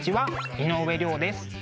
井上涼です。